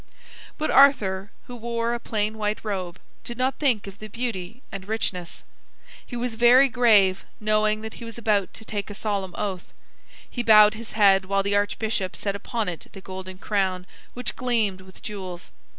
But Arthur, who wore a plain white robe, did not think of the beauty and richness. He was very grave, knowing that he was about to take a solemn oath. He bowed his head, while the archbishop set upon it the golden crown, which gleamed with jewels.